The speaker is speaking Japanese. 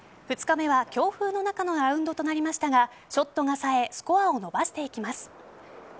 ２日目は強風の中のラウンドとなりましたがショットがさえスコアを伸ばしていきます。